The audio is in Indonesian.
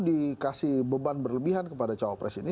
dikasih beban berlebihan kepada cawapres ini